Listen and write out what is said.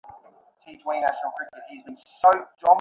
সেখানে যেতে চাস?